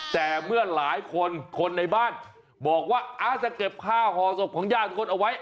แต่เมื่อหลายคนคนในบ้านบอกว่าจะเก็บค่าห่อศพของญาติคนเอาไว้